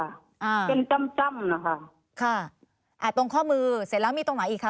อ่าเป็นจ้ำจ้ำนะคะค่ะอ่าตรงข้อมือเสร็จแล้วมีตรงไหนอีกคะ